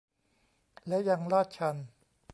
และยังลาดชัน